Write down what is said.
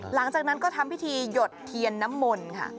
หลังจากนั้นก็ทำพิธีหยดเทียนน้ำมนต์ค่ะ